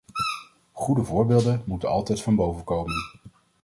Goede voorbeelden moeten altijd van boven komen.